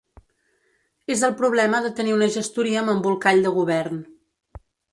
És el problema de tenir una gestoria amb embolcall de govern.